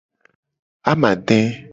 Amade.